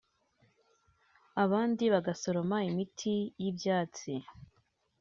abandi bagasoroma imiti y’ibyatsi